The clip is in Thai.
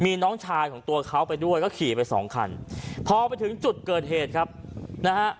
มีน้องชายของตัวเขาไปด้วยก็ขี่ไปสองคันพอไปถึงจุดเกิดเหตุครับนะฮะ